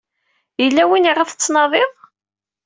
Yella win iɣef tettnadiḍ?